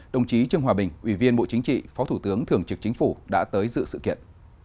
đồng chí trương hòa bình ủy viên bộ chính trị phó thủ tướng thường trực chính phủ đã tới dự sự kiện